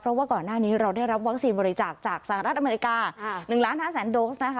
เพราะว่าก่อนหน้านี้เราได้รับวัคซีนบริจาคจากสหรัฐอเมริกา๑ล้าน๕แสนโดสนะคะ